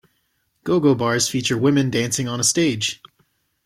Go-go bars feature women dancing on a stage.